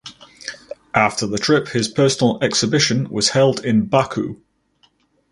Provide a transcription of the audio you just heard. After the trip his personal exhibition was held in Baku.